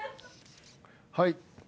はい。